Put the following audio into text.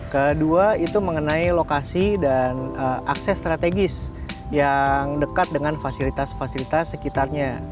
kedua itu mengenai lokasi dan akses strategis yang dekat dengan fasilitas fasilitas sekitarnya